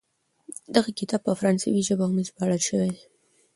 دغه کتاب په فرانسوي ژبه هم ژباړل سوی دی.